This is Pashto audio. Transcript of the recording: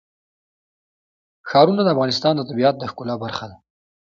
ښارونه د افغانستان د طبیعت د ښکلا برخه ده.